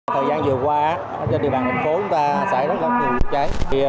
thời gian vừa qua trên địa bàn tp hcm xảy ra rất nhiều bụi cháy